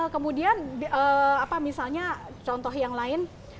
kemudian misalnya contoh yang lain